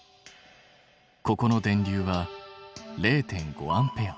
ここの電流は０．５Ａ。